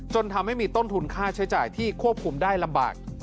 จนทำให้มีต้นทุนค่าใช้จ่ายที่ควบคุมได้ลำบาก